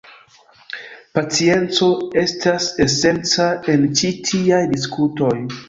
Pacienco estas esenca en ĉi tiaj diskutoj.